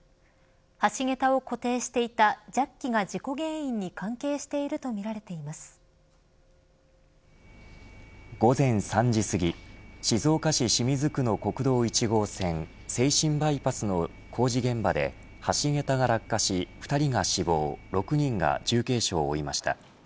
橋げたを固定していたジャッキが事故原因に午前３時すぎ静岡市清水区の国道１号線静清バイパスの工事現場で橋げたが落下し２人が死亡、６人が重軽傷を負いました。